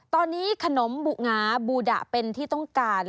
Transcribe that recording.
ตอนนี้ขนมบุหงาบูดะเป็นที่ต้องการ